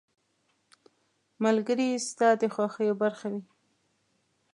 • ملګری ستا د خوښیو برخه وي.